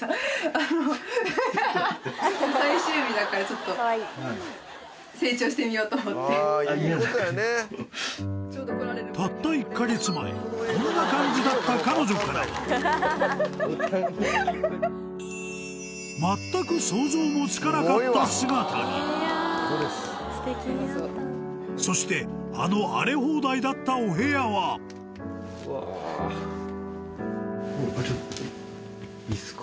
あのははははと思ってたった１か月前こんな感じだった彼女からは全く想像もつかなかった姿にそしてあの荒れ放題だったお部屋はちょっといいですか？